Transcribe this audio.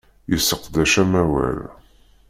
Yesseqdec amawal.